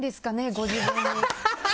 ご自分に。